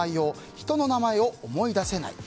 人の名前を思い出せない。